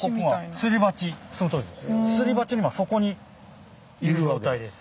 すり鉢の今底にいる状態です。